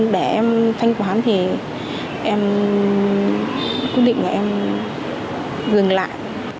để em thanh toán thì em quyết định là em dừng lại